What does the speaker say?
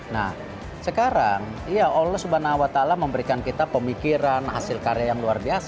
nah sekarang ya allah swt memberikan kita pemikiran hasil karya yang luar biasa